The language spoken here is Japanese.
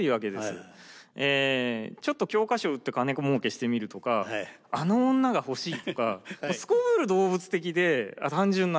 ちょっと教科書を売って金もうけしてみるとかあの女が欲しいとかすこぶる動物的で単純なんです。